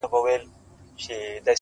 چي پښېمانه سوه له خپله نصیحته -